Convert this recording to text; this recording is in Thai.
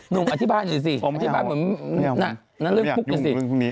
นุ่มอธิบายหน่อยสิอธิบายเหมือนนั้นเรื่องพุกกันสิ